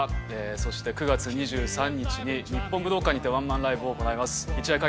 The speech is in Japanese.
そして９月２３日に日本武道館にてワンマンライブを行います一夜限りのライブ